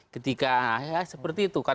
ketika ya seperti itu